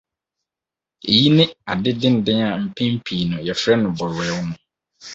Eyi ne ade denden a mpɛn pii no yɛfrɛ no bɔwerɛw no.